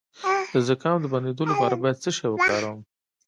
د زکام د بندیدو لپاره باید څه شی وکاروم؟